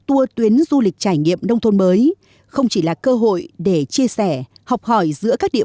tour tuyến du lịch trải nghiệm nông thôn mới không chỉ là cơ hội để chia sẻ học hỏi giữa các địa